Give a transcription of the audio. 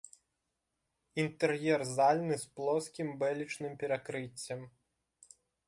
Інтэр'ер зальны з плоскім бэлечным перакрыццем.